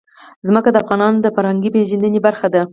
ځمکه د افغانانو د فرهنګي پیژندنې برخه ده.